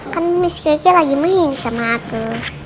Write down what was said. kan miss kekece lagi main sama aku